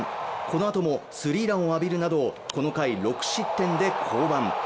このあともスリーランを浴びるなど、この回、６失点で降板。